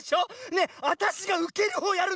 ねえわたしがうけるほうやるの？